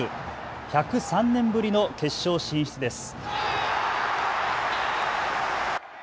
１０３年ぶりの決勝進出です。